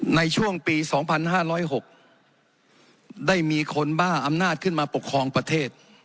ในช่วงปี๒๕๐๖ได้มีคนบ้าอำนาจขึ้นมาปกครองประเทศ